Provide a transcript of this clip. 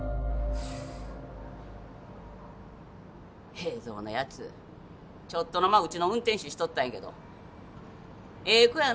栄三のやつちょっとの間うちの運転手しとったんやけど「ええ子やな」